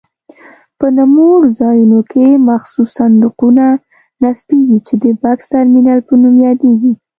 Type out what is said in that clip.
په نوموړو ځایونو کې مخصوص صندوقونه نصبېږي چې د بکس ترمینل په نوم یادیږي.